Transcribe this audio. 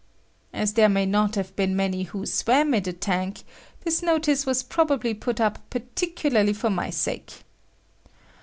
As there may not have been many who swam in the tank, this notice was probably put up particularly for my sake.